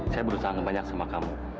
saya berusaha banyak sama kamu